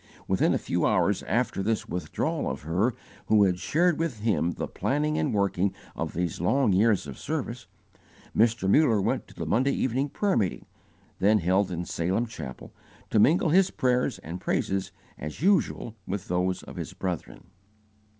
Within a few hours after this withdrawal of her who had shared with him the planning and working of these long years of service, Mr. Muller went to the Monday evening prayer meeting, then held in Salem Chapel, to mingle his prayers and praises as usual with those of his brethren.